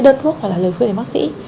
đơn thuốc hoặc là lời khuyên của bác sĩ